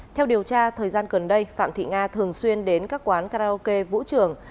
theo điều tra thời gian gần đây phạm thị nga thường xuyên đến các quán karaoke vũ trường